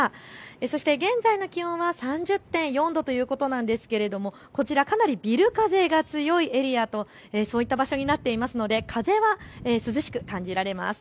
そして現在の気温は３０．４度ということなんですけれどもこちらかなりビル風が強いエリアと、そういった場所になっていますので風は涼しく感じられます。